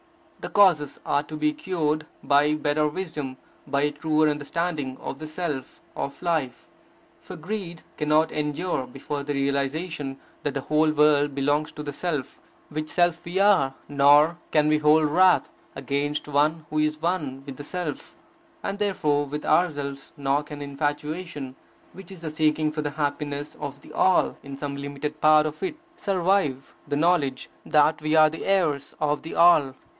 The causes are to be cured by better wisdom, by a truer understanding of the Self, of Life. For greed cannot endure before the realization that the whole world belongs to the Self, which Self we are; nor can we hold wrath against one who is one with the Self, and therefore with ourselves; nor can infatuation, which is the seeking for the happiness of the All in some limited part of it, survive the knowledge that we are heirs of the All.